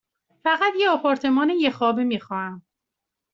فقط یک آپارتمان یک خوابه می خواهم.